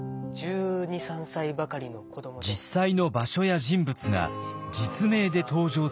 実際の場所や人物が実名で登場するエピソード。